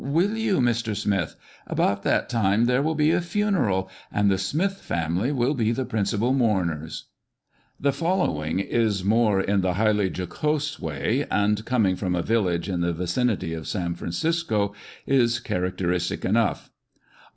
Will you, Mr. Smith ? About that time there will be a funeral, and the Smith family will be the principal mourners !" The following is more in the highly jocose way, and coming from a village in the vicinity of San Francisco, is characteristic enough.